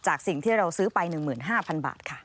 สิ่งที่เราซื้อไป๑๕๐๐๐บาทค่ะ